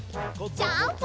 ジャンプ！